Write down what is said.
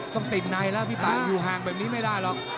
ต้องติดในแล้วพี่ป่าอยู่ห่างแบบนี้ไม่ได้หรอก